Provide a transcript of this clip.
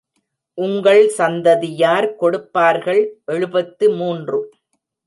உங்கள் சந்ததியார் கொடுப்பார்கள் எழுபத்து மூன்று.